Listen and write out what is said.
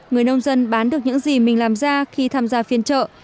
người nông dân bán được những gì mình làm ra khi tham gia phiên chợ